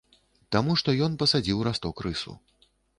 Таму што ён пасадзіў расток рысу.